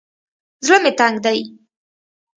زړه مې تنګ دى.